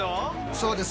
そうです。